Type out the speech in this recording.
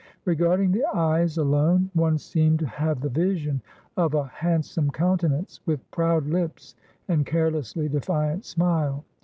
Regarding the eyes alone, one seemed to have the vision of a handsome countenance, with proud lips, and carelessly defiant smile.